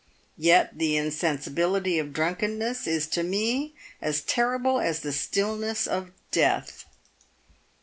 Yet the insensibility of drunkenness is to me as terrible as the stillness of death."